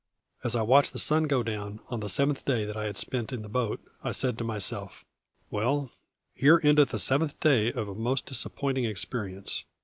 As I watched the sun go down on the seventh day that I had spent in the boat I said to myself: "Well, here endeth the seventh day of a most disappointing experience.